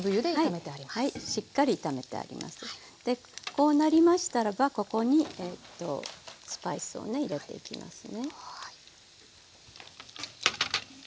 でこうなりましたらばここにスパイスをね入れていきますね。